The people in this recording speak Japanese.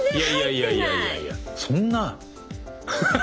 いやいやいやいやそんな。